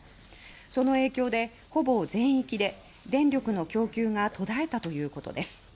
その影響で、ほぼ全域で電力の供給が途絶えたということです。